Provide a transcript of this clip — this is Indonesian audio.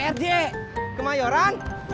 nah yang banyak biasanya di kemayoran pas ada prj